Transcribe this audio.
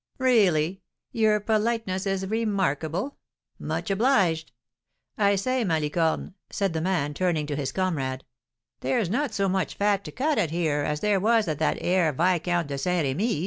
"Really, your politeness is remarkable! Much obliged! I say, Malicorne," said the man, turning to his comrade, "there's not so much fat to cut at here as there was at that 'ere Viscount de Saint Rémy's."